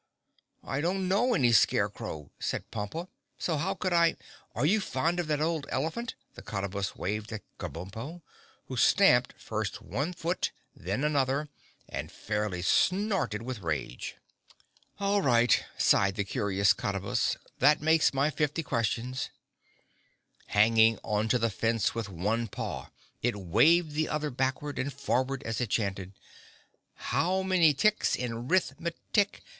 "I don't know any Scarecrow," said Pompa, "so how could I?" "Are you fond of that old elephant?" The Cottabus waved at Kabumpo, who stamped first one foot then another and fairly snorted with rage. "All right," sighed the Curious Cottabus, "that makes my fifty questions." Hanging on to the fence with one paw it waved the other backward and forward as it chanted: "How many tics in Rith Metic?